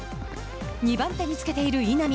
２番手につけている稲見。